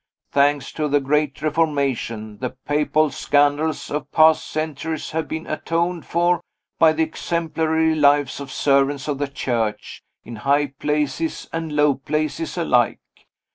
Thanks to the great Reformation, the papal scandals of past centuries have been atoned for by the exemplary lives of servants of the Church, in high places and low places alike.